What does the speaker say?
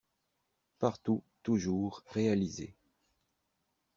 Partout, toujours, réaliser